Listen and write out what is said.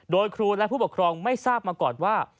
โดยครูและผู้ปกครองไม่ทราบมาก่อนว่า